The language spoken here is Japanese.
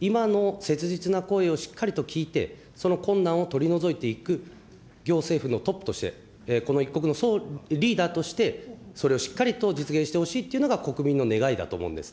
今の切実な声をしっかりと聞いて、その困難を取り除いていく行政府のトップとして、この一国のリーダーとして、それをしっかりと実現してほしいというのが、国民の願いだと思うんですね。